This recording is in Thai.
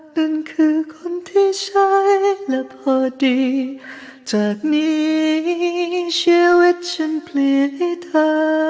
นั่นคือคนที่ใช้และพอดีจากนี้ชีวิตฉันเพลียให้เธอ